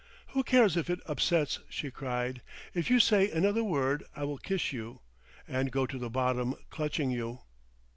"Who cares if it upsets?" she cried. "If you say another word I will kiss you. And go to the bottom clutching you.